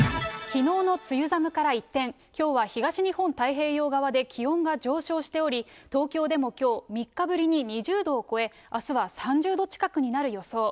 きのうの梅雨寒から一転、きょうは東日本太平洋側で気温が上昇しており、東京でもきょう、３日ぶりに２０度を超え、あすは３０度近くになる予想。